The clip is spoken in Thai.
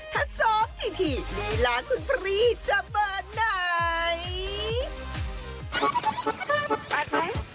ถ้าซ้อมที่ในร้านคุณพรีจะเบิดไหน